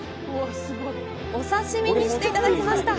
お刺身にしていただきました！